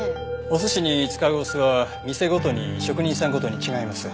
お寿司に使うお酢は店ごとに職人さんごとに違います。